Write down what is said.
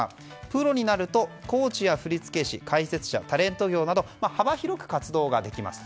プロになるとコーチや解説者タレント業など幅広く活動ができます。